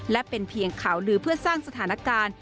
และเป็นเพียงข่าวลือเพื่อสร้างสถานการณ์